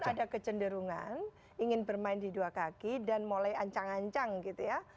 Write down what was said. ada kecenderungan ingin bermain di dua kaki dan mulai ancang ancang gitu ya